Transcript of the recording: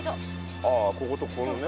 ああこことここのね。